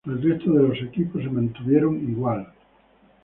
El resto de los equipos se mantuvo igual.